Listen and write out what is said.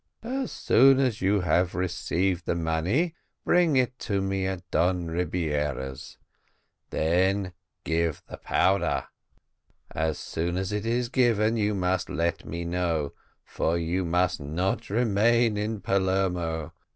"As soon as you have received the money bring it to me at Don Rebiera's then give the powder: as soon as it is given you must let me know, for you must not remain in Palermo.